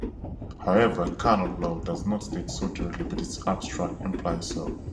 However, canon law does not state so directly, but its abstract implies so.